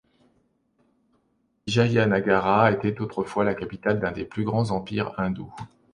Vijayanâgara était autrefois la capitale d'un des plus grands empires hindous.